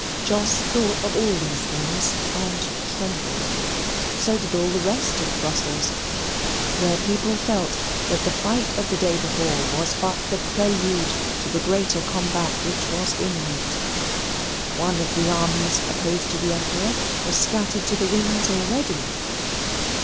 Jos thought of all these things, and trembled. So did all the rest of Brussels where people felt that the fight of the day before was but the prelude to the greater combat which was imminent. One of the armies opposed to the Emperor was scattered to the winds already.